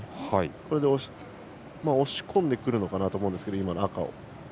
これで押し込んでくるのかなと思うんですけどね、赤を。